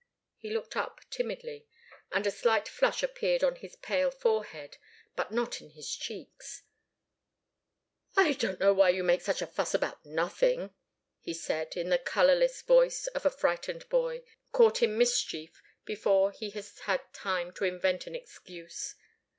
He looked up timidly, and a slight flush appeared on his pale forehead, but not in his cheeks. "I don't know why you make such a fuss about nothing," he said, in the colourless voice of a frightened boy, caught in mischief before he has had time to invent an excuse.